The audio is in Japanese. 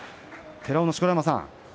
寺尾の錣山さん